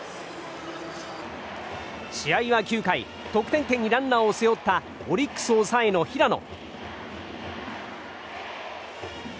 試合は９回得点圏にランナーを背負ったオリックス抑えの平野。